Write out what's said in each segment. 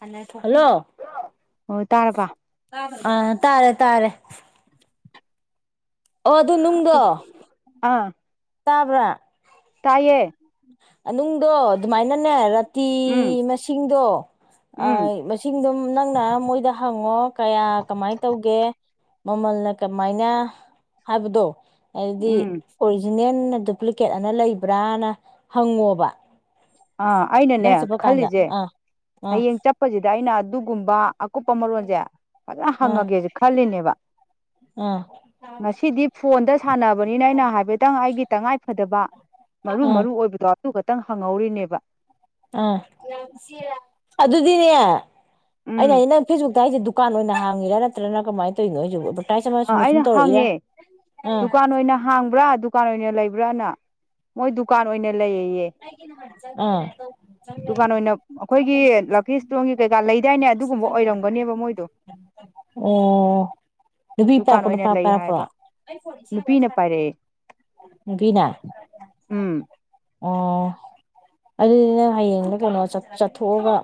Hello ꯑꯣ ꯇꯥꯔꯕ ꯑꯥ ꯇꯥꯔꯦ ꯇꯥꯔꯦ ꯑꯣ ꯑꯗꯨ ꯅꯨꯡꯗꯣ ꯑꯥ ꯇꯥꯕ꯭ꯔꯥ ꯇꯥꯏꯌꯦ ꯅꯨꯡꯗꯣ ꯑꯗꯨꯃꯥꯏꯅꯅꯦ ꯇꯤ ꯎꯝ ꯃꯁꯤꯡꯗꯣ ꯎꯝ ꯑꯥ ꯃꯁꯤꯡꯗꯣ ꯅꯪꯅ ꯃꯣꯏꯗ ꯍꯪꯉꯣ ꯀꯌꯥ ꯀꯃꯥꯏꯅ ꯇꯧꯒꯦ꯫ ꯃꯃꯜꯅ ꯀꯃꯥꯏꯅ ꯍꯥꯏꯕꯗꯣ ꯑꯗꯨꯗꯤ ꯎꯝ ꯑꯣꯔꯤꯖꯤꯅꯦꯜ ꯗꯨꯄ꯭ꯂꯤꯀꯦꯠ ꯑꯅ ꯂꯩꯕ꯭ꯔꯥꯅ ꯍꯪꯉꯣꯕ꯫ ꯑꯥ ꯑꯩꯅꯅꯦ ꯅꯪ ꯆꯠꯄ ꯀꯥꯟꯗ ꯈꯜꯂꯤꯁꯦ ꯑꯥ ꯑꯥ ꯍꯌꯦꯡ ꯆꯠꯄꯁꯤꯗ ꯑꯩꯅ ꯑꯗꯨꯒꯨꯝꯕ ꯑꯀꯨꯞꯄ ꯃꯔꯣꯜꯁꯦ ꯐꯖꯅ ꯑꯥ ꯍꯪꯉꯒꯦꯁꯦ ꯈꯜꯂꯤꯅꯦꯕ ꯑꯥ ꯉꯁꯤꯗꯤ ꯐꯣꯟꯗ ꯁꯥꯟꯅꯕꯅꯤꯅ ꯑꯩꯅ ꯍꯥꯏꯐꯦꯠꯇꯪ ꯑꯩꯒꯤ ꯇꯉꯥꯏꯐꯗꯕ ꯃꯔꯨ ꯑꯥ ꯃꯔꯨ ꯑꯣꯏꯕꯗꯣ꯫ ꯑꯗꯨ ꯈꯛꯇꯪ ꯍꯪꯍꯧꯔꯤꯅꯦ꯫ ꯋꯥ꯫ ꯑꯥ ꯑꯗꯨꯗꯤꯅꯦ꯫ ꯑꯩꯅ ꯎꯝ ꯍꯥꯏꯗꯤ ꯅꯪ ꯐꯦꯁꯕꯨꯛꯛꯇ ꯍꯥꯏꯁꯦ ꯗꯨꯀꯥꯟ ꯑꯣꯏꯅ ꯍꯥꯡꯉꯤꯔ ꯅꯠꯇ꯭ꯔꯅ ꯀꯃꯥꯏꯅ ꯇꯧꯔꯤꯅꯣ꯫ [unintelligible] ꯑ ꯁꯨꯝ ꯑꯩꯅ ꯇꯧꯔꯛꯏꯔꯥ ꯍꯥꯡꯉꯦ ꯑꯥ ꯗꯨꯀꯥꯟ ꯑꯣꯏꯅ ꯍꯥꯡꯕ꯭ꯔꯥ ꯗꯨꯀꯥꯟ ꯑꯣꯏꯅ ꯂꯩ ꯂꯩꯕꯔ꯭ꯥꯅ ꯃꯣꯏ ꯗꯨꯀꯟ ꯑꯣꯏꯅ ꯂꯩꯌꯦꯌꯦ ꯗꯨꯀꯥꯟ ꯑꯣꯏꯅ ꯑꯩꯈꯣꯏꯒꯤ ꯂꯛꯀꯤ ꯏꯁꯇꯣꯟꯒꯤ ꯀꯩꯀꯥ ꯂꯩꯗꯥꯏꯅꯦ ꯑꯗꯨꯒꯨꯝꯕ ꯑꯣꯏꯔꯝꯒꯅꯦꯕ ꯃꯣꯏꯗꯣ ꯑꯥ ꯅꯨꯄꯤ ꯗꯨꯀꯥꯟ ꯑꯣꯏꯅ ꯅꯨꯄꯥ ꯂꯩ ꯄꯥꯏꯔꯥꯛꯄ꯭ꯔꯣ ꯍꯥꯏꯕ ꯅꯨꯄꯤꯅ ꯄꯥꯏꯔꯛꯑꯦ ꯅꯨꯄꯤꯅ꯫ ꯎꯝ ꯑꯣ ꯑꯗꯨꯗꯤ ꯅꯪ ꯍꯌꯦꯡꯂ ꯀꯩꯅꯣ ꯆꯠ ꯆꯠꯊꯣꯛꯑꯒ꯫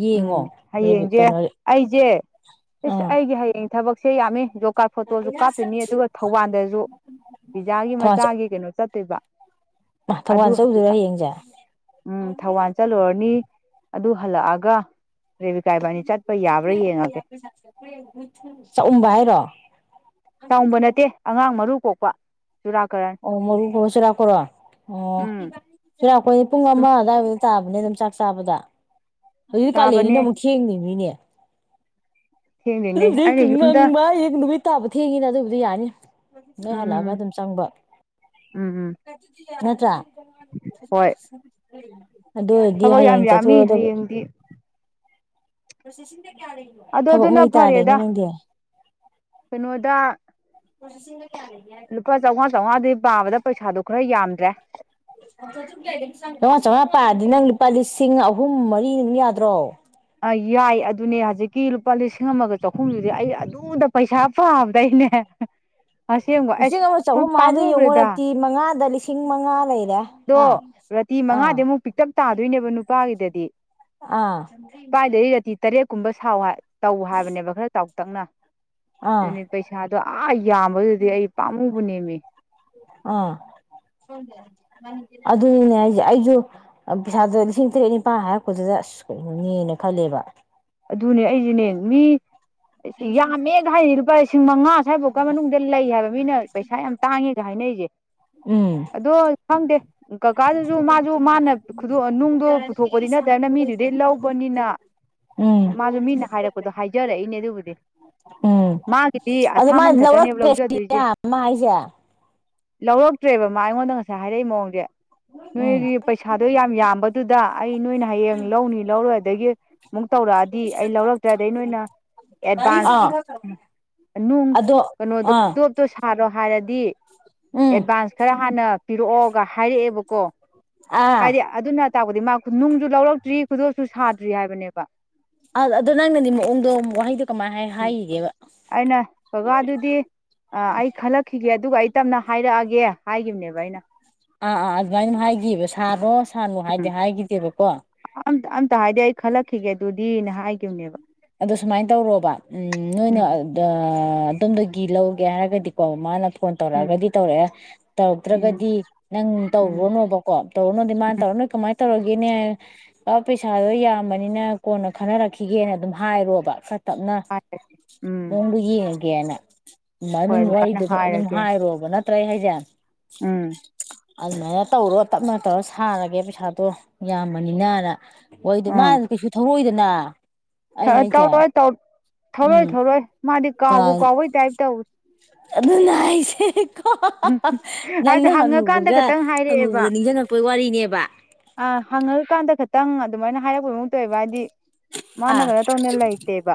ꯌꯦꯡꯉꯣ ꯎꯝ ꯍꯌꯦꯡꯁꯦ ꯀꯩꯅꯣ ꯑꯩꯖꯦ ꯏꯁ ꯑꯥ ꯑꯩꯗꯤ ꯍꯌꯦꯡ ꯊꯕꯥꯛ ꯁꯤ ꯌꯥꯝꯃꯤ ꯀꯥꯔꯠ ꯐꯣꯇꯣꯁꯨ ꯀꯥꯞꯇꯣꯏꯅꯤ ꯑꯗꯨꯒ ꯊꯧꯕꯥꯜꯗꯁꯨ ꯄꯤꯖꯥꯒꯤ ꯊꯧꯕꯥꯜ ꯃꯆꯥꯒꯤ ꯀꯩꯅꯣ ꯆꯠ [unintelligible] ꯊꯧꯕꯥꯜ ꯑꯗꯨ ꯆꯠꯂꯨꯗꯣꯏꯔꯥ ꯍꯌꯦꯡꯁꯦ ꯎꯝ ꯊꯧꯕꯥꯜ ꯆꯠꯂꯨꯔꯅꯤ꯫ ꯑꯗꯨ ꯍꯥꯜꯂꯛꯑ ꯒꯥ ꯔꯦꯕꯤꯀꯥ ꯏꯕꯅꯤ ꯆꯠꯀꯥ ꯆꯥꯛꯑꯎꯝꯕ ꯍꯥꯏꯔꯣ ꯆꯥꯎꯕ ꯅꯠꯇꯦ ꯑꯉꯥꯡ ꯃꯔꯨ ꯀꯣꯛ ꯋꯥ ꯑꯣ ꯃꯨ ꯀꯕ ꯆꯨꯔꯥꯀꯣꯔꯣ ꯑꯣ ꯎꯝ ꯆꯩꯔꯥꯛꯄꯣꯜ ꯁꯦ ꯄꯨꯡ ꯁꯨꯝ ꯑꯃ ꯑꯗꯥꯏꯃꯨꯛ ꯆꯥꯕꯅꯦ ꯑꯗꯨꯝ ꯆꯥꯛ ꯆꯥꯕꯗ ꯑꯗꯨꯗꯤ ꯀꯥꯂꯦꯅꯤꯅ ꯇꯥꯕꯅꯦ ꯑꯃꯨꯛ ꯊꯡꯉꯤ ꯃꯤꯅꯦ ꯊꯦꯡꯗꯣꯏꯅꯦ ꯑꯩꯅ ꯑꯗꯨ ꯌꯨꯝꯗ ꯉꯪꯕ ꯍ ꯅꯨꯃꯤꯠ ꯇꯥꯕ ꯊꯦꯡꯉꯤꯅ ꯑꯗꯨꯕꯨꯗꯤ ꯌꯥꯅꯤ ꯅꯣꯏ ꯍꯜꯂꯛꯑꯒ ꯎꯝ ꯑꯗꯨꯝ ꯆꯪꯕ ꯎꯝ ꯎꯝ ꯅꯠꯇ꯭ꯔ ꯍꯣꯏ ꯑꯗꯨ ꯑꯣꯏꯔꯗꯤ ꯊꯕꯛ ꯌꯥꯝ ꯍꯌꯦꯡ ꯌꯥꯝꯃꯤ ꯆꯠꯊꯣꯗꯕꯅꯦ ꯍꯌꯦꯡꯗꯤ ꯔꯁꯤꯁꯤ ꯑꯗꯣ ꯊꯕꯛ ꯑꯗꯨꯅ ꯃꯩ ꯇꯥꯔꯦꯅꯦ ꯐꯔꯦꯗ ꯅꯪꯗꯤ ꯀꯩꯅꯣꯗ ꯂꯨꯄꯥ ꯆꯧ ꯆꯧꯋꯥꯗꯤ ꯄꯥꯕꯗ ꯄꯩꯁꯥꯗꯨꯣ ꯈꯔ ꯌꯥꯝꯗ꯭ꯔꯦ ꯂꯥꯃꯉꯥ ꯆꯥꯝꯃꯉꯥ ꯄꯥꯗꯤ ꯅꯪ ꯂꯨꯄꯥ ꯂꯤꯁꯤꯡ ꯑꯍꯨꯝ ꯃꯔꯤ ꯑꯗꯨꯝ ꯌꯥꯗ꯭ꯔꯣ ꯑ ꯌꯥꯏ ꯑꯗꯨꯅꯦ ꯍꯧꯖꯤꯛꯀꯤ ꯂꯨꯄꯥ ꯂꯤꯁꯤꯡ ꯑꯃꯒ ꯆꯍꯨꯝꯗꯨꯗꯤ ꯑꯩ ꯑꯗꯨꯗ ꯄꯩꯁꯥ ꯄꯥꯕꯗꯩꯅꯦ ꯂꯤꯁꯤꯡ ꯑꯃ ꯆꯍꯨꯝ ꯍꯥꯏꯗ ꯌꯦꯡꯉꯨꯔꯛꯇ ꯃꯉꯥꯗ ꯂꯤꯁꯤꯡ ꯃꯉꯥ ꯂꯩ ꯑꯗꯣ ꯔꯥꯇꯤ ꯃꯉꯥꯗꯤ ꯑꯃꯨꯛ ꯄꯤꯛꯇꯞ ꯇꯥꯗꯣꯏꯅꯦꯕ ꯅꯨꯄꯥꯒꯤꯗꯗꯤ ꯑꯥ ꯅꯨꯄꯥꯗꯗꯤ ꯔꯥꯇꯤ ꯇꯔꯦꯠ ꯀꯨꯝꯕ ꯁꯥꯎ ꯍꯥ ꯇꯧ ꯍꯥꯏꯕꯅꯦꯕ ꯈꯔ ꯇꯧ ꯇꯛꯅ ꯑꯥ ꯑꯗꯨꯅꯤ ꯄꯩꯁꯥꯗꯣ ꯑꯥ ꯌꯥꯝꯕꯗꯨꯗꯤ ꯑꯩ ꯄꯥꯝꯃꯨꯕꯅꯦꯝꯃꯤ ꯑꯥ ꯑꯗꯨꯅꯤꯅꯦ ꯍꯥꯏꯁꯦ ꯑꯩꯁꯨ ꯄꯩꯁꯥꯗ ꯂꯤꯁꯤꯡ ꯇꯔꯦꯠ ꯅꯤꯄꯥꯜ ꯍꯥꯏꯔꯛꯄꯗꯨꯗ ꯑꯁ ꯀꯩꯅꯣꯅꯦꯅ ꯈꯜꯂꯦꯕ ꯑꯗꯨꯅꯦ ꯑꯩꯁꯦꯅꯦ ꯃꯤ ꯁ ꯌꯥꯝꯃꯦꯒ ꯍꯥꯏꯅ ꯂꯨꯄꯥ ꯂꯤꯁꯤꯡ ꯃꯉꯥ ꯁ꯭ꯋꯥꯏꯐꯥꯎꯀ ꯃꯅꯨꯡꯗ ꯂꯩ ꯍꯥꯏꯕ ꯃꯤꯅ ꯄꯩꯁꯥ ꯌꯥꯝ ꯇꯥꯡꯉꯦꯒ ꯍꯥꯏꯅꯔꯤꯁꯦ ꯎꯝ ꯑꯗꯣ ꯈꯪꯗꯦ ꯀꯀꯥꯗꯨꯁꯨ ꯃꯥꯁꯨ ꯃꯥꯅ ꯅꯨꯡꯗꯣ ꯄꯨꯊꯣꯛꯄꯗꯤ ꯅꯠꯇ꯭ꯔꯅ ꯃꯤꯗꯨꯗꯤ ꯂꯧꯕꯅꯤꯅ ꯎꯝ ꯃꯥꯁꯨ ꯃꯤꯅ ꯍꯥꯏꯔꯛꯄꯗꯣ ꯍꯥꯏꯖꯔꯛꯏꯅꯦ ꯑꯗꯨꯕꯨ ꯎꯝ ꯑꯗꯨ ꯑꯁꯥꯃꯟ ꯃꯥꯗꯤ ꯈꯛꯇꯅꯦꯕ ꯂꯧꯔꯛꯇ꯭ꯔꯦ ꯂꯧꯖꯗꯣꯏꯁꯦ ꯁꯤꯅꯦ ꯃꯥ ꯍꯥꯏꯁꯦ ꯂꯧꯔꯛꯇ꯭ꯔꯦꯕ ꯃꯥ ꯑꯩꯉꯣꯟꯗ ꯉꯁꯥꯏ ꯍꯥꯏꯔꯛꯏ ꯃꯑꯣꯡꯗꯤ ꯎꯝ ꯅꯣꯏꯒꯤ ꯄꯩꯁꯥꯗꯣ ꯌꯥꯝ ꯌꯥꯝꯕꯗꯨꯗ ꯑꯩ ꯅꯣꯏꯅ ꯍꯌꯦꯡ ꯂꯧꯅꯤ ꯂꯧꯔꯣꯏ ꯑꯗꯒꯤ ꯑꯃꯨꯛ [unintelligible] ꯑꯩ ꯂꯧꯔꯛꯇ꯭ꯔꯦ ꯑꯗꯩ ꯅꯣꯏꯅ ꯑꯥ ꯑꯗꯣ ꯑꯥ ꯑꯦꯗꯕꯥꯅꯁ [unintelligible] ꯣꯍꯥꯏꯔꯗꯤ ꯎꯝ ꯑꯦꯗꯚꯥꯟꯁ ꯈꯔ ꯍꯥꯟꯅ ꯄꯤꯔꯛꯑꯣꯒ ꯍꯥꯏꯔꯛꯑꯦꯕ ꯀꯣ ꯑꯥ ꯍꯤꯗꯤ ꯑꯗꯨ ꯅ ꯇꯥꯛꯄꯗꯤ ꯃꯥ ꯅꯨꯡꯁꯨ ꯂꯧꯔꯛꯇ꯭ꯔꯤ ꯈꯨꯗꯣꯁꯨ ꯁꯥꯗ꯭ꯔꯤ ꯍꯥꯏꯕꯅꯦꯕ ꯑ ꯑꯗꯣ ꯅꯡꯅꯗꯤ ꯃꯑꯣꯡꯗꯣ ꯋꯥꯍꯩꯗꯣ ꯀꯃꯥꯏ ꯍꯥꯏꯈꯤꯒꯦꯕ ꯑꯩꯅ ꯀꯀꯥꯗꯨꯗꯤ ꯑꯩ ꯈꯜꯂꯛꯈꯤꯒꯦ ꯑꯗꯨꯒ ꯑꯩ ꯇꯝꯅ ꯍꯥꯏꯔꯛꯑꯒꯦ ꯍꯥꯏꯈꯤꯕꯅꯦꯕ ꯑꯩꯅ ꯑꯥ ꯑꯥ ꯑꯗꯨꯃꯥꯏꯅ ꯍꯥꯏꯈꯤꯕ ꯁꯥꯕꯣꯁ ꯊꯔꯣ ꯍꯥꯏꯗꯤ ꯍꯥꯏꯈꯤꯗꯦꯕꯀꯣ ꯑꯝ ꯑꯝꯇ ꯍꯥꯏꯗꯤ ꯑꯩ ꯈꯜꯂꯛꯈꯤꯒꯦ ꯑꯗꯨꯗꯤꯅꯦ ꯍꯥꯏꯈꯤꯕꯅꯦꯕ ꯑꯗꯨ ꯁꯨꯃꯥꯏꯅ ꯇꯧꯔꯣꯕ ꯎꯝ ꯅꯣꯏꯅ ꯎꯝ ꯑꯗ ꯑꯥ ꯑꯗꯣꯝꯗꯒꯤ ꯂꯧꯒꯦ ꯍꯥꯏꯔꯒꯗꯤꯀꯣ ꯃꯥꯅ ꯐꯣꯟ ꯎꯝ ꯇꯧꯔꯛꯑꯒꯗꯤ ꯇꯧꯔꯛꯑꯦ ꯎꯝ ꯇꯧꯔꯛꯇ꯭ꯔꯒꯗꯤ ꯅꯪ ꯎꯝ ꯇꯧꯔꯨꯅꯣꯕꯀꯣ ꯇꯧꯔꯨꯅꯨꯗꯤ ꯃꯥꯅ ꯇꯧꯔ ꯅꯣꯏ ꯀꯃꯥꯏꯅ ꯇꯧꯔꯒꯦꯅꯦ ꯑ ꯄꯩꯁꯥꯗꯣ ꯌꯥꯝꯕꯅꯤꯅ ꯀꯣꯟꯅ ꯈꯟꯅꯔꯛꯈꯤꯒꯦꯅ ꯑꯗꯨꯝ ꯍꯥꯏꯔꯣꯕ ꯇꯞꯅ ꯍꯥꯏꯔꯒꯦ ꯎꯝ ꯃꯑꯣꯗꯣ ꯌꯦꯡꯉ ꯌꯦꯅ ꯍꯣꯏ ꯑꯗꯨꯝ ꯑꯗꯨꯃꯥꯏꯅ ꯋꯥꯔꯤꯗꯨꯗꯥ ꯑꯗꯨꯝ ꯍꯥꯏꯔꯒꯦ ꯍꯥꯏꯔꯣꯕ ꯅꯠꯇ꯭ꯔ ꯑꯩꯍꯥꯏ ꯌꯥ ꯎꯝ ꯑꯗꯨꯃꯥꯏꯅ ꯇꯧꯔꯣ ꯇꯞꯅ ꯇꯧꯔ ꯁꯥꯔꯒꯦ ꯄꯩꯁꯥꯗꯣ ꯌꯥꯝꯕꯅꯤꯅꯅ ꯍꯣꯏ ꯑꯗꯨ ꯃꯥꯅ ꯀꯩꯁꯨꯧ ꯇꯧꯔꯛꯏ ꯅꯥ ꯊꯥ ꯇꯧꯔꯣꯏ ꯇꯧ ꯊꯧꯔꯣꯏ ꯎꯝ ꯊꯧꯔꯣꯏ ꯃꯥꯗꯤ ꯀꯥꯎꯕꯨ ꯀꯥꯎꯕꯩ ꯇꯥꯌꯦꯞ ꯇꯥꯏ ꯑꯗꯨꯅꯥ ꯍꯥꯏꯁꯥ ꯎꯝ ꯍꯥꯏꯗꯤ ꯍꯉꯀꯥꯟꯗ ꯈꯇꯡ ꯍꯥꯏꯔꯛꯑꯦꯕ ꯍꯪꯉꯨꯕꯗ ꯅꯤꯡꯁꯤꯡꯉꯛꯄꯩ ꯋꯥꯔꯤꯅꯦꯕ ꯑ ꯍꯉꯀꯥꯟꯗ ꯈꯛꯇꯥꯡ ꯑꯗꯨꯃꯥꯏꯅ ꯍꯥꯏꯔꯛꯄ ꯒꯨꯝ ꯇꯧꯏꯕꯥ ꯍꯥꯏꯗꯤ ꯃꯥꯅ ꯑꯥ ꯀꯔꯤꯅꯣ ꯇꯧꯅ ꯂꯩꯇꯦꯕ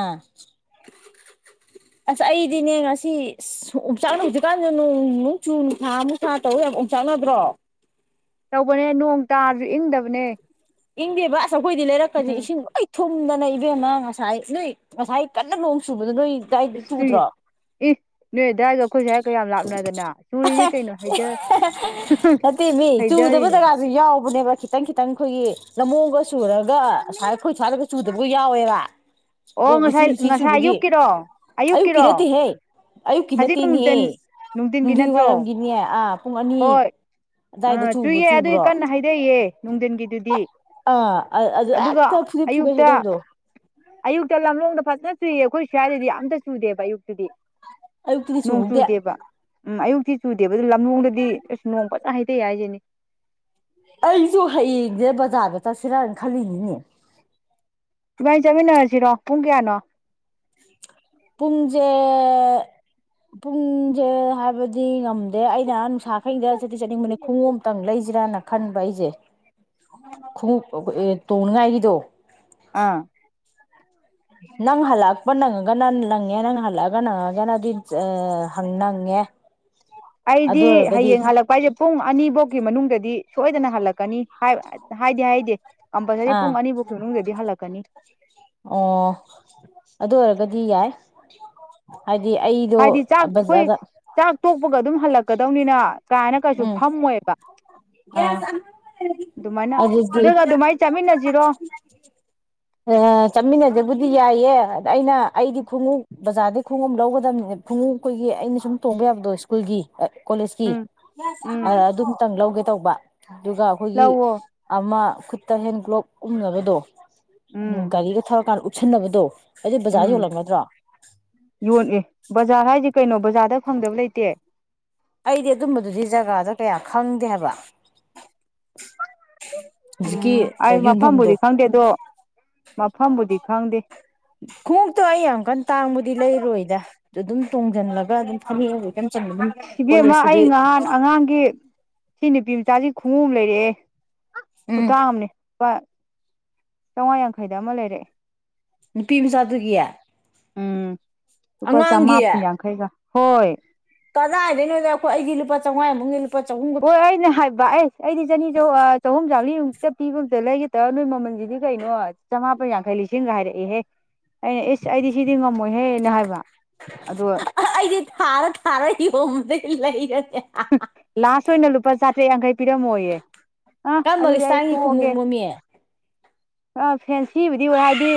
ꯑꯥ ꯑꯁ ꯑꯩꯗꯤꯅꯦ ꯉꯁꯤ ꯎꯝꯆꯥꯛꯅꯕ ꯍꯧꯖꯤꯛꯀꯥꯟꯗ ꯅꯣꯡ ꯅꯣꯡꯆꯨ ꯅꯨꯡꯁꯥ ꯃꯨꯁꯥ ꯇꯧ ꯌꯥꯝ ꯎꯛꯆꯥꯛꯅꯗ꯭ꯔꯣ ꯇꯧꯕꯅꯦ ꯅꯣꯡ ꯇꯥꯔꯁꯨ ꯏꯡꯗꯕꯅꯦ ꯏꯡꯗꯦꯕ ꯑꯁ ꯑꯩꯈꯣꯏꯗꯤ ꯂꯩꯔꯛꯀꯗꯤ ꯏꯁꯤꯡ ꯂꯣꯏ ꯊꯨꯝꯗ ꯏꯕꯦꯝꯃ ꯉꯁꯥꯏ ꯅꯣꯏ-ꯉꯁꯥꯏ ꯀꯟꯅ ꯅꯣꯡ ꯆꯨꯕꯗꯣ ꯅꯣꯏ ꯗꯥꯏꯗꯤ ꯏꯁꯇ꯭ꯔꯤ ꯄꯨꯗ꯭ꯔꯣ ꯏ ꯅꯣꯏ ꯑꯗꯨꯋꯥꯏꯒ ꯑꯩꯈꯣꯏ ꯁ꯭ꯋꯥꯏꯒ ꯌꯥꯝ ꯂꯥꯞꯅꯗꯅ ꯆꯨꯔꯤꯅꯤ ꯀꯩꯅꯣ ꯍꯩꯗ ꯅꯠꯇꯦ ꯃꯤ ꯆꯨꯗꯕ ꯍꯩꯗꯔꯤꯅꯤ ꯖꯒꯥꯁꯨ ꯌꯥꯎꯕꯅꯦꯕ ꯈꯤꯇꯪ- ꯈꯤꯇꯪ ꯑꯩꯈꯣꯏꯒꯤ ꯂꯝꯂꯣꯡꯗ ꯆꯨꯔꯒ ꯑꯁꯥꯏ ꯑꯩꯈꯣꯏ ꯁꯥꯏꯗꯒ ꯆꯨꯗꯕꯒ ꯌꯥꯎꯋꯦꯕ ꯑꯣ ꯃꯆꯤ- ꯉꯁꯥꯏ ꯃꯆꯤ ꯉꯁꯥꯏ ꯆꯨꯕꯒꯤ ꯑꯌꯨꯛꯀꯤꯔꯣ ꯑꯌꯨꯛꯀꯤ ꯑꯌꯨꯛꯀꯤꯔꯣ ꯅꯠꯇꯦꯍꯦ -ꯑꯌꯨꯛꯀꯤ ꯍꯧꯖꯤꯛ ꯅꯠꯇꯦꯅꯦꯍꯦ ꯅꯨꯡꯊꯤꯟ ꯅꯨꯡꯊꯤꯟꯒꯤ ꯅꯨꯡꯊꯤꯟ ꯅꯠꯇ꯭ꯔꯣ ꯋꯥꯏꯔꯝꯒꯤꯅꯦꯍꯦ ꯑꯥ ꯄꯨꯡ ꯑꯅꯤ ꯍꯣꯏ ꯑꯗꯥꯏꯗ ꯑꯥ ꯆꯨꯕ ꯆꯨꯌꯦ ꯑꯗꯨꯏ ꯀꯟꯅ ꯍꯥꯏꯗꯩꯌꯦ ꯅꯨꯡꯊꯤꯟꯒꯤꯗꯨꯗꯤ ꯑ ꯑꯗꯨ ꯑꯗꯨꯒ ꯑꯦꯇ ꯐꯨꯗꯠ- ꯐꯨꯒ ꯑꯌꯨꯛꯇ ꯍꯩꯗꯕꯗꯣ ꯑꯌꯨꯛꯇ ꯂꯝꯂꯣꯡꯗ ꯐꯖꯅ ꯆꯨꯏꯌꯦ ꯑꯩꯈꯣꯏ ꯁ꯭ꯋꯥꯏꯗꯗꯤ ꯑꯝꯇ ꯆꯨꯗꯦꯕ ꯑꯌꯨꯛꯇꯨꯗꯤ ꯑꯌꯨꯛꯇꯨꯗꯤ ꯅꯣꯡ ꯆꯨꯍꯧꯗꯦ ꯆꯨꯗꯦꯕ ꯎꯝ ꯑꯌꯨꯛꯇꯤ ꯆꯨꯗꯦꯕ ꯑꯗꯨ ꯂꯝꯂꯣꯡꯗꯗꯤ ꯑꯁ ꯅꯣꯡ ꯐꯖꯟ ꯍꯩꯗꯩ ꯍꯥꯏꯁꯤꯅꯦ ꯑꯩꯁꯨ ꯍꯌꯦꯡꯁꯦ ꯕꯖꯥꯔꯗ ꯆꯠꯁꯤꯔꯅ ꯈꯜꯂꯤꯅꯤꯅꯦ ꯏꯕꯥꯅꯤ ꯆꯠꯃꯤꯟꯅꯔꯁꯤꯔꯣ ꯄꯨꯡ ꯀꯌꯥꯅꯣ ꯄꯨꯡꯖꯦ- ꯄꯨꯡꯖꯦ ꯍꯥꯏꯕꯗꯤ ꯉꯝꯗꯦ ꯑꯩꯅ ꯅꯨꯡꯁꯥ ꯍꯩꯌꯦꯡꯗ ꯆꯠꯇꯤ ꯆꯠꯅꯤꯡꯕꯅꯤ ꯈꯣꯡꯎꯨꯞ ꯑꯝꯇ ꯂꯩꯁꯤꯔꯅ ꯈꯟꯕ ꯑꯩꯁꯦ ꯈꯣꯡꯎꯞ ꯇꯣꯡꯅꯤꯡꯉꯥꯏꯒꯤꯗꯣ ꯑꯥ ꯅꯪ ꯍꯜꯂꯛꯄ ꯅꯪꯉꯒꯅ- ꯅꯪꯉꯦ ꯅꯪ ꯍꯜꯂꯛꯑꯒ ꯅꯪꯉꯒꯅ ꯑꯗꯨ ꯅꯪꯉꯦ ꯑꯩꯗꯤ ꯑꯗꯨ ꯑꯣꯏꯔꯒꯗꯤ ꯍꯌꯦꯡ ꯍꯜꯂꯛꯄ ꯍꯥꯏꯁꯦ ꯄꯨꯡ ꯑꯅꯤꯐꯧꯒꯤ ꯃꯅꯨꯡꯗꯗꯤ ꯁꯣꯏꯗꯅ ꯍꯜꯂꯛꯀꯅꯤ ꯍꯥꯏꯗꯤ -ꯍꯥꯏꯍꯩꯗꯦ ꯀꯝꯄꯜꯁꯔꯤ ꯄꯨꯡ ꯑꯥ ꯑꯅꯤ ꯐꯥꯎꯀꯤ ꯃꯅꯨꯡꯗꯗꯤ ꯍꯜꯂꯛꯀꯅꯤ ꯀꯗꯤ ꯌꯥꯏ ꯍꯥꯏꯗꯤ ꯑꯩꯗꯣ ꯍꯥꯏꯗꯤ ꯆꯥꯛ ꯑꯩꯈꯣꯏ ꯕꯖꯥꯔꯗ ꯆꯥꯛ ꯇꯣꯛꯄꯒ ꯑꯗꯨꯝ ꯍꯜꯂꯛꯀꯗꯧꯅꯤꯅ ꯀꯥꯏꯅ ꯀꯩꯁꯨ ꯎꯝ ꯐꯝꯃꯣꯏꯕ ꯑꯥ ꯑꯗꯨꯃꯥꯏꯅ ꯑꯗꯨꯗꯤ ꯑꯗꯨꯒ -ꯑꯗꯨꯃꯥꯏꯅ ꯆꯥꯃꯤꯟꯅꯁꯤ ꯖꯤꯔꯣ ꯆꯠꯃꯤꯟꯅꯖꯦꯕꯨꯗꯤ ꯌꯥꯏꯌꯦ ꯑꯗ ꯑꯩꯅ ꯑꯩꯗꯤ ꯈꯣꯡꯎꯞ ꯕꯖꯥꯔꯗꯒꯤ ꯈꯣꯡꯎꯞ ꯂꯧꯒꯗꯕꯅꯤ ꯈꯣꯡꯎꯞ ꯑꯩꯈꯣꯏꯒꯤ ꯑꯩꯅ ꯁꯨꯝ ꯇꯣꯡꯕ ꯌꯥꯕꯗꯣ ꯁ꯭ꯀꯨꯜꯒꯤ ꯀꯣꯂꯦꯖꯀꯤ ꯎꯝ ꯎꯝ ꯑꯗꯨꯝꯇꯪ ꯂꯧꯒꯦ ꯇꯧꯕ ꯑꯗꯨꯒ ꯑꯩꯈꯣꯏꯒꯤ ꯂꯧꯋꯣ ꯑꯃ ꯈꯨꯠꯇ ꯍꯦꯟ ꯒ꯭ꯂꯣꯞ ꯎꯞꯅꯕꯗꯣ ꯎꯝ ꯒꯥꯔꯤꯒ ꯊꯧꯔꯀꯥꯟ ꯎꯞ ꯁꯟꯅꯕꯗꯣ ꯎꯝ ꯌꯣꯟ ꯑꯦ ꯕꯖꯥꯔ ꯍꯥꯏꯗꯤ ꯀꯩꯅꯣ ꯕꯖꯥꯔꯗ ꯐꯪꯗꯕ ꯂꯩꯇꯦ ꯑꯩꯗꯤ ꯑꯗꯨꯒꯨꯝꯕꯗꯨꯗꯤ ꯖꯒꯥꯗꯣ ꯀꯌꯥ ꯈꯪꯗꯦ ꯍꯥꯏꯕ ꯍꯧꯖꯤꯛꯀꯤ ꯎꯝ ꯑꯩ ꯌꯣꯟꯐꯝꯗꯣ ꯃꯐꯝꯕꯨꯗꯤ ꯈꯪꯗꯦ ꯑꯗꯣ ꯃꯐꯝꯕꯨꯗꯤ ꯈꯪꯗꯦ ꯈꯣꯡꯇꯣ ꯑꯩ ꯑꯃꯨꯛꯀꯟ ꯇꯥꯡꯕꯗꯤ ꯂꯩꯔꯣꯏꯗ ꯑꯗꯨꯝ ꯇꯣꯡꯁꯤꯜꯂꯒ ꯑꯗꯨꯝ ꯐꯅꯦꯛ ꯍꯧ ꯏꯚꯦꯝꯃ ꯑꯩ ꯉꯍꯥꯟ ꯑꯉꯥꯡꯒꯤ ꯁꯤ ꯅꯨꯄꯤ ꯃꯆꯥꯁꯤ ꯈꯣꯡꯎ ꯑꯃ ꯂꯩꯔꯑꯦ ꯎꯝ ꯈꯨꯇꯥꯥꯡꯝꯅꯦ ꯄꯥ ꯆꯥꯝꯃꯉꯥ ꯌꯥꯡꯈꯩꯗ ꯑꯃ ꯂꯩꯔꯑꯦ ꯅꯨꯄꯤ ꯃꯆꯥꯗꯨꯒꯤ ꯎꯝ ꯂꯨꯄꯥ ꯑꯉꯥꯡꯒꯤ ꯆꯃꯥꯄꯟ ꯌꯥꯡꯈꯩꯒ ꯍꯣꯏ ꯀꯗꯥꯏꯗꯣꯏꯅꯣꯗꯣ ꯑꯩꯈꯣꯏꯒꯤ ꯂꯨꯄꯥ ꯆꯥꯝꯃꯉꯥꯃꯨꯛ ꯂꯨ ꯍꯣꯏ ꯑꯩꯅ ꯍꯥꯏ ꯚ ꯑꯦꯁ ꯑꯩꯗꯤ ꯆꯅꯤ ꯆ ꯆꯍꯨꯝ ꯆꯥꯔꯤꯃꯨꯛꯇ ꯄꯤꯕ ꯑꯝꯇ ꯂꯩꯒꯦꯗ ꯅꯣꯏ ꯃꯃꯜꯁꯤꯗꯤ ꯀꯩꯅꯣ ꯆꯃꯥꯄꯟ ꯌꯥꯡꯈꯩ ꯂꯤꯁꯤꯡꯒ ꯍꯥꯏꯔꯛꯏꯍꯦ ꯑꯩꯅ ꯏꯁ ꯑꯩꯗꯤ ꯁꯤꯗꯤ ꯉꯝꯃꯣꯏꯍꯦꯅ ꯍꯥꯏꯕ ꯑꯗꯣ ꯑꯩꯗꯤ ꯊꯥꯔ ꯊꯥꯔ ꯑꯩꯗꯤ ꯍꯣꯕꯗꯩ ꯂꯩꯔ ꯂꯥꯁ ꯑꯣꯏꯅ ꯂꯨꯄꯥ ꯆꯥꯇ꯭ꯔꯦꯠ ꯌꯥꯡꯈꯩ ꯄꯤꯔꯝꯃꯣꯏꯌꯦꯦ ꯑ ꯀꯔꯝꯕ ꯑꯗꯨꯗꯤ ꯑꯩ ꯏꯁꯇꯥꯏꯜꯒꯤ ꯇꯣꯛꯑꯒꯦ ꯈꯣꯡꯎꯞꯅꯣꯃꯤ ꯑ ꯐꯦꯟꯁꯤꯕꯨꯗꯤ ꯑꯣꯏ ꯍꯥꯏꯗꯤ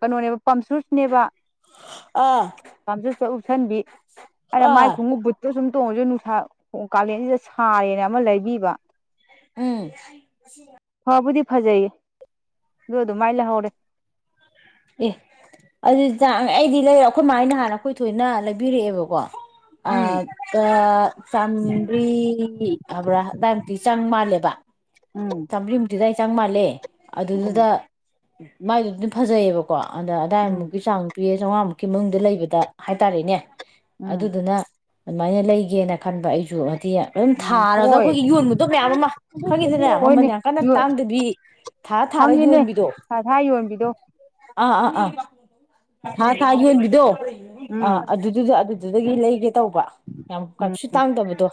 ꯀꯩꯅꯣꯅꯦꯕ ꯄꯝꯆꯁꯅꯦꯕ ꯑꯥ ꯆꯎꯁꯟꯕꯤ ꯑꯔꯦ ꯑꯥ ꯃꯥꯥꯏꯣꯡꯃꯨꯛꯕꯨ ꯁꯨꯝ ꯗꯣꯡꯖ ꯅꯨꯁꯥ ꯀꯥꯂꯦꯟꯁꯤꯗ ꯁꯥꯔꯦꯅ ꯑꯃ ꯂꯩꯕꯤꯕ ꯎꯝ ꯋꯥꯕꯨꯗꯤ ꯐꯖꯩꯌꯦ ꯑꯗꯨ ꯑꯗꯨꯃꯥꯏꯅ ꯂꯩꯍꯧꯔꯦ ꯑꯦ ꯑꯗꯨꯗꯤ ꯑꯩꯗꯤ ꯂꯩꯔ ꯑꯩꯈꯣꯏ ꯃꯥꯥꯏꯅ ꯍꯥꯟꯅ ꯑꯩꯈꯣꯏ ꯊꯣꯏꯅ ꯂꯩꯕꯤꯔꯛꯑꯦꯕꯀꯣ ꯑ ꯎꯝ ꯑ ꯆꯟ꯭ꯔꯤ ꯍꯥꯏꯕ꯭ꯔꯥ ꯗꯥꯛꯇꯤ ꯆꯪ ꯃꯥꯜꯂꯦꯕ ꯎꯝ ꯇꯝꯂꯤ ꯃꯗ ꯆꯪ ꯃꯥꯜꯂꯦ ꯎꯝ ꯑꯗꯨꯗꯨꯗ ꯎ ꯃꯥꯏꯗꯨꯗꯤ ꯑꯗꯨꯝ ꯐꯖꯩꯌꯦꯕꯀꯣ ꯀ ꯑꯗ ꯎꯝ ꯑꯗꯥꯏꯃꯨꯛ ꯆ ꯄꯤꯌꯦ ꯆꯥꯝꯃꯉꯥꯃꯨꯛ ꯏꯃꯨꯡꯗ ꯂꯩꯕꯗ ꯍꯥꯏꯇꯥꯔꯦꯅꯦ ꯎꯝ ꯑꯗꯨꯗꯨꯅ ꯑꯗꯨꯃꯥꯏꯅ ꯂꯩꯒꯦꯅ ꯈꯟꯕ ꯑꯩꯁꯨ ꯍꯥꯏꯗꯤ ꯑꯗꯨꯝ ꯎꯝ ꯊꯥꯔꯒ ꯍꯣꯏ ꯑꯩꯈꯣꯏꯒꯤ ꯌꯣꯟꯕꯗꯣ ꯃꯌꯥꯝ ꯑꯃ ꯈꯪꯉꯤꯗꯅꯦ ꯍꯣꯏꯅꯦ ꯃꯃꯟ ꯌꯥꯝ ꯀꯟꯅ ꯇꯥꯡꯗꯕꯤ ꯊꯥꯔ ꯊꯥꯔ ꯍꯪꯉꯤꯅꯦ ꯌꯣꯟꯕꯤꯗꯣ ꯁꯥꯊꯥ ꯌꯣꯟꯕꯤꯗꯣ ꯑꯥ ꯑꯥ ꯑꯥ ꯊꯥꯔ ꯊꯥꯔ ꯌꯣꯟꯕꯤꯗꯣ ꯑ ꯎꯝ ꯑꯗꯨꯗꯨꯗ ꯑꯗꯨ ꯑꯗꯨꯗꯒꯤ ꯂꯩꯒꯦ ꯇꯧꯕ ꯌꯥꯝ ꯎꯝ ꯀꯥꯏꯄꯁꯨ ꯇꯥꯡꯗꯕꯗꯣ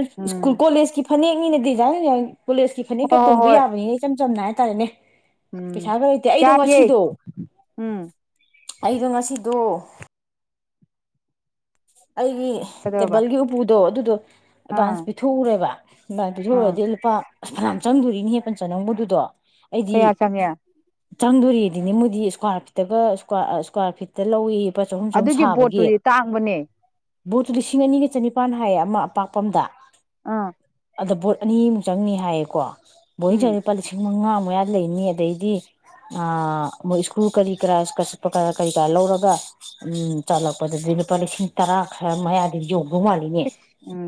ꯎꯝ ꯁꯀꯨꯜ ꯀꯣꯂꯦꯖꯀꯤ ꯐꯅꯦꯛꯅꯤꯅ ꯗꯤꯖꯥꯏꯟ ꯌꯥꯝ ꯄꯨꯂꯤꯁ ꯐꯅꯦꯛ ꯀ ꯍꯣꯏ ꯍꯣꯏ ꯇꯣꯡꯕ ꯍꯣꯏ ꯌꯥꯕꯅꯤꯅ ꯏꯆꯝ ꯆꯝꯅ ꯍꯥꯏꯇꯥꯔꯦꯅꯦ ꯎꯝ ꯄꯩꯁꯥ ꯒ ꯂꯩꯇꯦ ꯑꯩꯗꯣ ꯌꯥꯏꯌꯦ ꯉꯁꯤꯗꯣ ꯎꯝ ꯑꯩꯗꯣ ꯉꯁꯤꯗꯣ ꯑꯩꯒꯤ ꯀꯩꯗꯧꯔꯕ ꯇꯦꯕꯜꯒꯤ ꯎꯄꯨꯗꯣ ꯑꯗꯨ ꯑ ꯗꯣ ꯑꯥ ꯑꯦꯗꯚꯥꯟꯁ ꯄꯤ ꯊꯣꯛꯎꯔꯦꯕ ꯑꯦꯗꯚꯥꯟꯁ ꯑꯥ ꯄꯤꯊꯣꯛꯎꯔꯗꯤ ꯂꯨꯄꯥ ꯑꯁ ꯐꯅꯌꯥꯝ ꯆꯪ ꯗꯣꯔꯤꯅꯤꯍꯦ ꯄꯟꯆ ꯅꯧꯕꯨ ꯑꯗꯨꯗꯣ ꯀꯌꯥ ꯆꯪꯉꯦ ꯆꯪꯗꯣꯔꯤꯑꯗꯤꯅꯦ ꯃꯣꯏꯗꯤ ꯁꯀ꯭ꯋꯥꯔ ꯐꯤꯠꯇꯒ ꯁꯀ꯭ꯋꯥꯔ ꯑ ꯁ꯭ꯀꯋꯥꯔ ꯐꯤꯠꯇ ꯂꯧꯋꯦꯌꯦ ꯑꯗꯨꯒꯤ ꯕꯣꯠꯇꯨꯗꯤ ꯇꯥꯡ ꯕ ꯅꯦ ꯕꯣꯠꯇꯣ ꯂꯤꯁꯤꯡ ꯑꯅꯤꯒ ꯆꯅꯤꯄꯥꯟ ꯍꯥꯏꯌꯦ ꯑꯃ ꯑꯄꯥꯛꯄ ꯑꯝꯗ ꯑꯥ ꯑꯗ ꯕꯣꯠ ꯑꯅꯤꯃꯨꯛ ꯆꯪꯅꯤ ꯍꯥꯏꯌꯦꯀꯣ ꯕꯣꯏꯅ ꯎꯝ ꯆꯜꯂꯦ ꯂꯨꯄꯥ ꯂꯤꯁꯤꯡ ꯃꯉꯥꯃꯨꯛ ꯃꯌꯥ ꯂꯩꯅꯤ ꯑꯗꯩꯗꯤ ꯑꯥ ꯃꯣꯏ ꯁ꯭ꯀꯨꯜ ꯀꯔꯤ ꯀꯔꯥ ꯁ꯭ꯀꯥꯠ ꯆꯠꯄ ꯀꯥ ꯀꯔꯤ ꯀꯔꯥ ꯂꯧꯔꯒ ꯎꯝ ꯆꯥꯂꯛꯄ ꯑꯗꯨꯗꯤ ꯂꯨꯄꯥ ꯂꯤꯁꯤꯡ ꯇꯔꯥ ꯈꯔ ꯃꯌꯥꯗꯤ ꯌꯧ ꯎꯝ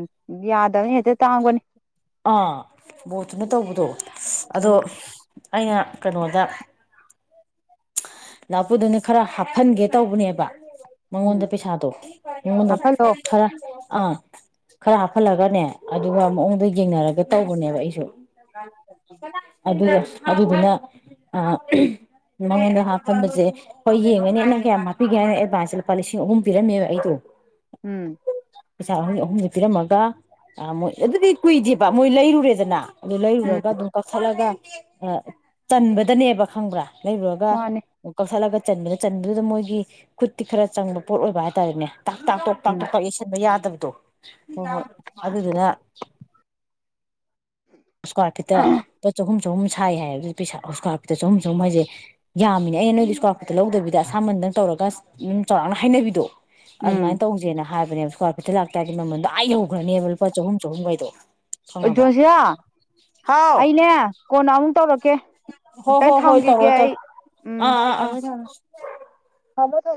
ꯌꯥꯗꯕꯅꯤ ꯍꯦꯛꯇ ꯇꯥꯡꯕꯅꯤ ꯑꯥ ꯕꯣꯠꯇꯨꯅ ꯇꯧꯕꯗꯣ ꯁꯁ ꯑꯗꯣ ꯎꯝ ꯑꯩꯅ ꯀꯩꯅꯣꯗ ꯂꯥ ꯄꯨꯗꯨꯅ ꯈꯔ ꯍꯥꯞꯐꯟꯒꯦ ꯇꯧꯕꯅꯦꯕ ꯎꯝ ꯃꯉꯣꯟꯗ ꯄꯩꯁꯥꯗꯣ ꯃꯉꯣꯟꯗ ꯍꯥꯞꯐꯜꯂꯣ ꯈꯔ ꯑꯥ ꯈꯔ ꯍꯥꯞꯐꯜꯂꯒꯅꯦ ꯑꯗꯨꯒ ꯃꯑꯣꯡꯗꯣ ꯌꯦꯡꯅꯔꯒ ꯇꯧꯕꯅꯦꯕ ꯑꯩꯁꯨ ꯑꯗꯨꯒ ꯑꯗꯨꯗꯨꯅ ꯑꯥ ꯑꯥ ꯎꯝ ꯅꯪꯉꯣꯟꯗ ꯍꯥꯞꯐꯟꯕꯖꯦ ꯍꯣꯏ ꯌꯦꯡꯉꯅꯤ ꯅꯪ ꯀꯌꯥꯝ ꯍꯥꯞꯄꯤꯒꯦ ꯍꯥꯏꯅꯣ ꯑꯦꯗꯚꯥꯟꯁꯦ ꯂꯨꯄꯥ ꯂꯤꯁꯤꯡ ꯑꯍꯨꯝ ꯄꯤꯔꯝꯃꯦꯕ ꯑꯩꯗꯣ ꯎꯝ ꯄꯩꯁꯥ ꯑꯍꯨꯝꯒꯤ ꯑꯍꯨꯝꯖꯦ ꯊꯤꯔꯝꯃꯒ ꯑ ꯃꯣꯏ ꯑꯗꯨꯗꯤ ꯀꯨꯏꯗꯦꯕ ꯃꯣꯏ ꯂꯩꯔꯨꯔꯦꯗꯅ ꯑꯗꯨ ꯎꯝ ꯂꯩꯔꯨꯔꯒ ꯑꯗꯨꯝ ꯀꯛꯊꯠꯂꯒ ꯑ ꯆꯟꯕꯗꯅꯦꯕ ꯈꯪꯕ꯭ꯔꯥ ꯂꯩꯕꯒ ꯃꯥꯅꯦ ꯀꯜꯁꯂꯒ ꯆꯟꯕꯗ ꯆꯟꯕꯗꯨꯗ ꯃꯣꯏꯒꯤ ꯈꯨ ꯈꯔ ꯆꯪꯕ ꯄꯣꯠ ꯑꯣꯏꯕ ꯍꯥꯏꯇꯥꯔꯦꯅꯦ ꯇꯥꯛ ꯇꯥꯛ ꯇ ꯇꯥꯛ ꯎꯝ ꯇꯣ ꯄꯥꯛ ꯌꯦꯁꯤꯟꯕ ꯌꯥꯗꯕꯗꯣ ꯍꯣꯏ ꯍꯣꯏ ꯑꯗꯨꯗꯨꯅ ꯁꯀꯋꯥꯔꯐꯗ ꯆꯍꯨꯝ ꯁꯨꯝ ꯁꯥꯏ ꯍꯥꯏꯕ ꯄꯩꯁꯥ ꯏꯁꯀ꯭ꯋꯥꯔ ꯐꯤꯠꯇ ꯁꯨꯝ ꯁꯨꯝ ꯍꯥꯏꯁꯦ ꯌꯥꯝꯃꯤꯅꯦ ꯑꯩꯅ ꯅꯣꯏꯒꯤ ꯏꯁꯀ꯭ꯋꯥꯔ ꯐꯤꯠꯇ ꯂꯧꯗꯕꯤꯗ ꯑꯁꯥꯝꯕꯟꯗꯪ ꯇꯧꯔꯒ ꯆꯥꯎꯔꯥꯛꯅ ꯍꯥꯏꯩꯅꯕꯤꯗꯣ ꯎꯝ ꯑꯗꯨꯃꯥꯏꯅ ꯇꯧꯁꯦꯅ ꯍꯥꯏꯕꯅꯦꯕ ꯏꯁꯀ꯭ꯋꯥꯔ ꯐꯤꯠꯇ ꯂꯥꯛꯇꯥꯔꯗꯤ ꯃꯃꯜꯗꯣ ꯑꯩ ꯌ ꯍꯧꯈ꯭ꯔꯅꯦꯕ ꯂꯨꯄꯥ ꯆꯍꯨꯝ ꯆꯍꯨꯝꯈꯩꯗꯣ ꯈꯪꯉꯕ ꯑꯣꯖꯁꯤꯌꯥ ꯍꯥꯎ ꯑꯩꯅꯦ ꯀꯣꯟꯅ ꯑꯃꯨꯛ ꯇꯧꯔꯛꯦ ꯀꯦ ꯍꯣ ꯍꯣ ꯑꯇꯪ ꯍꯣꯏ ꯊꯝꯈꯤꯒꯦ ꯇꯧꯔꯣ ꯑꯩ ꯇꯧꯔꯣ ꯎꯝ ꯑꯥ ꯑꯥ ꯑꯥ ꯊꯝꯃꯣꯏ ꯊꯝꯃꯣ ꯍꯃꯣ ꯊ